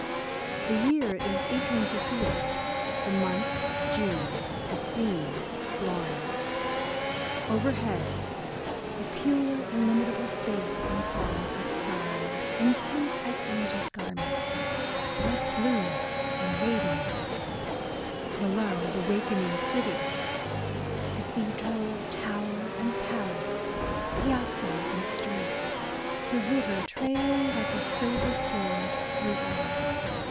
HE year is 1858, — the month June, — the scene, Florence, Overhead, the pure, illimi table space and pause of sky, intense as angels' garments ... less blue than radiant/* Below, the wakening city, ••Cathedral, tower and palace, piazza and street ; The river trailing like a silver cord Through all."